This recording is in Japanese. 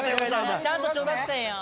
ちゃんと小学生やん。